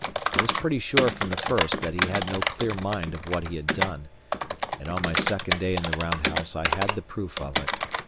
I was pretty sure from the first that he had no clear mind of what he had done, and on my second day in the round house I had the proof of it.